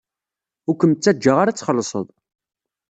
Ur kem-ttaǧǧaɣ ara ad txellṣeḍ.